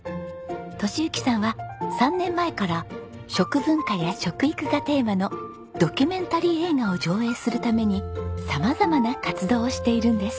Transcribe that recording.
敏之さんは３年前から食文化や食育がテーマのドキュメンタリー映画を上映するために様々な活動をしているんです。